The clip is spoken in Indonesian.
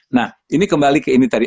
nah ini kembali ke ini tadi